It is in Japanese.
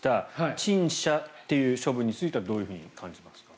陳謝という処分についてはどういうふうに感じますか？